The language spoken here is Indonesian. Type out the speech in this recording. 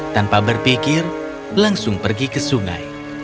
tanpa berpikir langsung pergi ke sungai